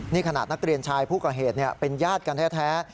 นี่ขนาดนักเรียนชายผู้ก่อเหตุเป็นญาติกันแท้